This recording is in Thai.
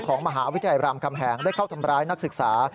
ของมหาวิทยาลัยรามคำแหงได้เข้าทำร้ายนักศึกษา